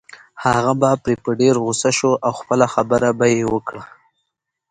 هغه به پرې په ډېره غصه شو او خپله خبره به يې وکړه.